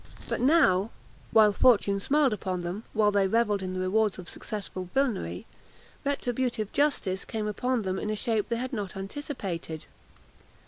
But now, while fortune smiled upon them, while they revelled in the rewards of successful villany, retributive justice came upon them in a shape they had not anticipated.